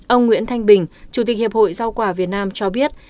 ông nguyễn thanh bình chủ tịch hiệp hội rau quả việt nam cho biết